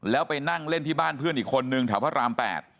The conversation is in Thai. แล้วไปนั่งเล่นที่บ้านเพื่อนอีกคนนึงแถวพระราม๘